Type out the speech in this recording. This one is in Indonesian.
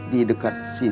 di dekat sini